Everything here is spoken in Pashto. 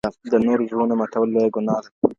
د نورو زړونه ماتول لويه ګناه ده.